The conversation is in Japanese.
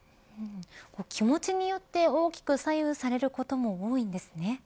気持ちによって大きく左右されることも多いんですね。